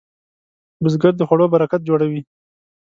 بزګر د خوړو برکت جوړوي